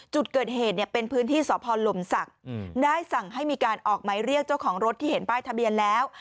จุดเกิดเหตุเนี่ยเป็นพื้นที่สพลมศักดิ์ได้สั่งให้มีการออกหมายเรียกเจ้าของรถที่เห็นป้ายทะเบียนแล้ว